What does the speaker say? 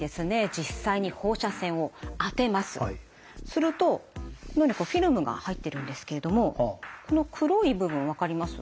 するとこのようにフィルムが入ってるんですけれどもこの黒い部分分かります？